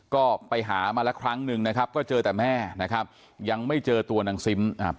ก็ไปหามาละครั้งนึงนะครับก็เจอแต่แม่นะครับยังไม่เจอตัวนางซิมอ่า